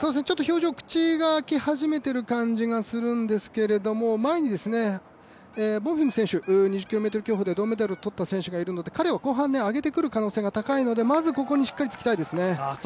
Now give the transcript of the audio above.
表情、口が開き始めている感じがしますが前にボンフィム選手、２０ｋｍ競歩で銅メダルを取った選手がいるんですけど、彼は上げてくるのでまずここにしっかりつきたいですね。